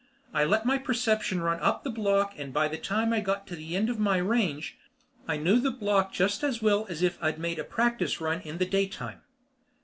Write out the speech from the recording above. I let my perception run up the block and by the time I got to the end of my range, I knew that block just as well as if I'd made a practise run in the daytime.